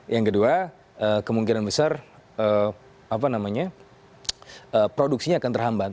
yang kedua kemungkinan besar produksinya akan terhambat